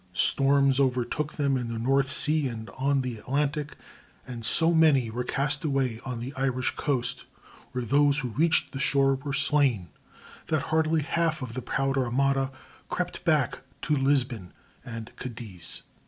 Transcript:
Storms overtook them in the North Sea and on the Atlantic, and so many were cast away on the Irish coast, where those who reached the shore were slain, that hardly half of the proud Armada crept back to Lisbon and Cadiz.